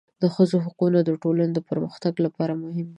د ښځو حقونه د ټولنې پرمختګ لپاره مهم دي.